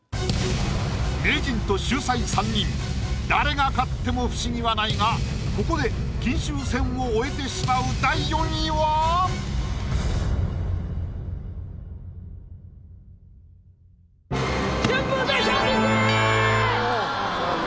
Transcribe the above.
名人と秀才３人誰が勝っても不思議はないがここで金秋戦を終えてしまう春風亭昇吉！